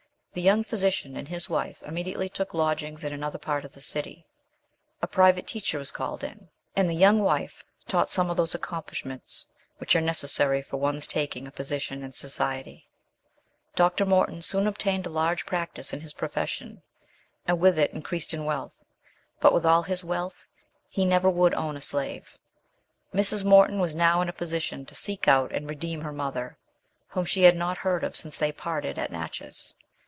The young physician and his wife immediately took lodgings in another part of the city; a private teacher was called in, and the young wife taught some of those accomplishments which are necessary for one's taking a position in society. Dr. Morton soon obtained a large practice in his profession, and with it increased in wealth but with all his wealth he never would own a slave. Mrs. Morton was now in a position to seek out and redeem her mother, whom she had not heard of since they parted at Natchez.